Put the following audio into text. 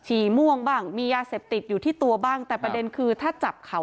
ม่วงบ้างมียาเสพติดอยู่ที่ตัวบ้างแต่ประเด็นคือถ้าจับเขา